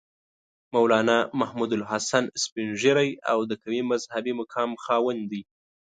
مولنا محمودالحسن سپین ږیری او د قوي مذهبي مقام خاوند دی.